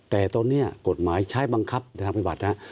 แต่ตอนเนี่ยกฎหมายใช้บังคับทางประวัตินะฮะ